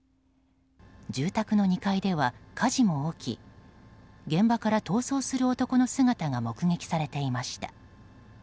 住宅の２階では火事も起き現場から逃走する男の姿が目撃されていました。